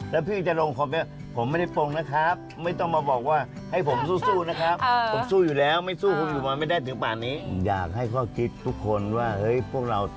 หนูชอบทั้งที่พี่แบบว่าโพดตัดพอโพดยามมาก